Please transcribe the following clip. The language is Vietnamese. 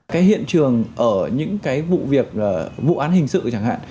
cái hiện trường ở những cái vụ việc vụ án hình sự chẳng hạn